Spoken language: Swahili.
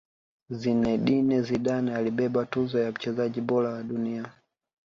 zinedine zidane alibeba tuzo ya mchezaji bora wa dunia